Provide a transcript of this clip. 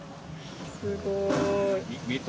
すごい。